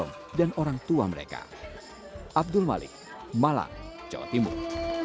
untuk penguat ataque yang days between risk